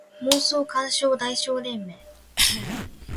妄想感傷代償連盟